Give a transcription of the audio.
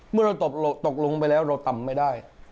เมื่อเราตกลงไปแล้วเราต่ำไม่ได้